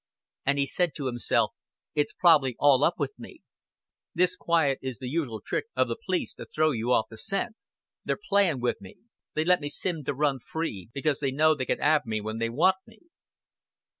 And he said to himself, "It's prob'ly all up with me. This quiet is the usual trick of the p'lice to throw you off the scent. They're playin' wi' me. They let me sim to run free, because they know they can 'aarve me when they want me."